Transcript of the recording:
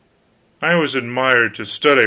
I always admired to study R.'